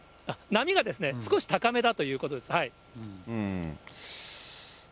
波がですね、少し高めだということです。